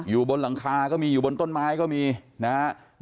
อยู่บนหลังคาก็มีอยู่บนต้นไม้ก็มีนะครับ